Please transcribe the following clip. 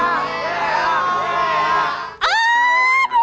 enak banget ya mak